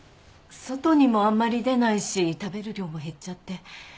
外にもあんまり出ないし食べる量も減っちゃって。